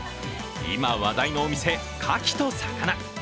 今話題のお店、牡蠣と魚。